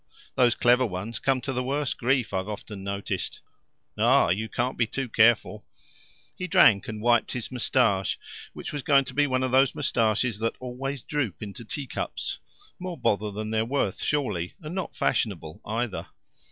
Those clever ones come to the worse grief, I've often noticed. Ah, you can't be too careful." He drank, and wiped his moustache, which was going to be one of those moustaches that always droop into tea cups more bother than they're worth, surely, and not fashionable either.